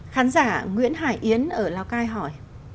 khán giả nguyễn hải yến ở lào cai hỏi